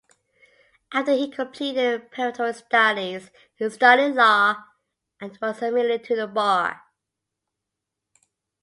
After he completed preparatory studies, he studied law and was admitted to the bar.